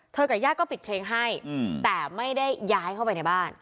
กับญาติก็ปิดเพลงให้แต่ไม่ได้ย้ายเข้าไปในบ้าน